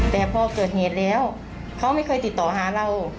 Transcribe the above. แต่พอเกิดเหตุแล้วเขาไม่เคยติดต่อหาเรา